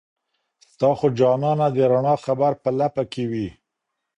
ستا خو جانانه د رڼا خبر په لـپـه كي وي